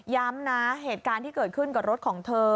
ย้ำนะเหตุการณ์ที่เกิดขึ้นกับรถของเธอ